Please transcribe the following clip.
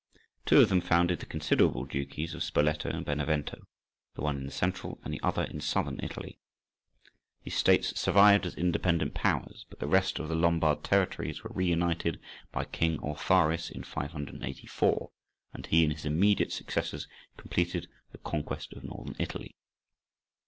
Two of them founded the considerable duchies of Spoleto and Benevento, the one in Central, and the other in Southern Italy. These states survived as independent powers, but the rest of the Lombard territories were reunited by King Autharis, in 584, and he and his immediate successors completed the conquest of Northern Italy.